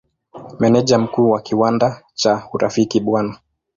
Meneja Mkuu wa kiwanda cha Urafiki Bw.